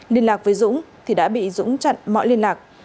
liên lạc với dũng thì đã bị dũng chặn mọi liên lạc